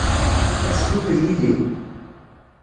Ad teddukel yid-i?